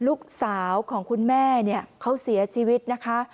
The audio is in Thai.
ลูกสาวของคุณแม่เนี่ยเขาเสียชีวิตนะคะ